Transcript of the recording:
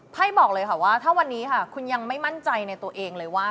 บอกเลยค่ะว่าถ้าวันนี้ค่ะคุณยังไม่มั่นใจในตัวเองเลยว่า